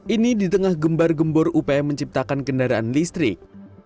ini di tengah gembar gembor upaya menciptakan kendaraan listrik